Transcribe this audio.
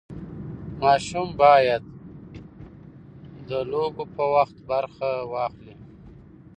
ماشوم باید د لوبو په وخت برخه واخلي.